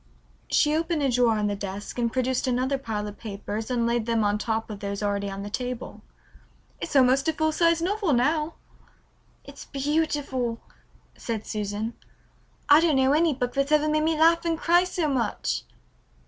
She opened a drawer of the desk and produced another pile of papers and laid them on top of those already on the table. "It's almost a full sized novel now." "It's beautiful," said Susan. "I don't know any book that's ever made me laugh and cry so much."